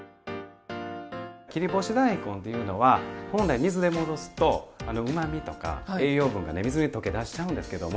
切り干し大根っていうのは本来水で戻すとうまみとか栄養分がね水に溶け出しちゃうんですけども。